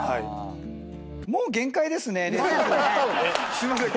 すいません。